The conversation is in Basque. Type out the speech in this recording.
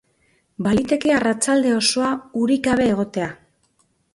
Baliteke arratsalde osoa urik gabe egotea.